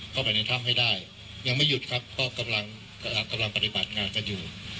เข้าไปในถ้ำให้ได้ยังไม่หยุดครับก็กำลังปฏิบัติงานกันอยู่